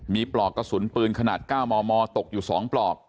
มีปลอกกระสุนปืนขนาด๙มมตกอยู่๒ปลอก